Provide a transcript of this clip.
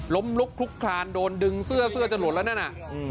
ล้มรุกคลุกครานโดนดึงเสื้อจะหลวนแล้วนะน่ะ